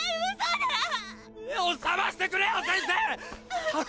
目を覚ましてくれよ先生っ！